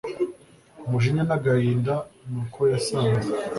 umujinya nagahinda nuko yasanze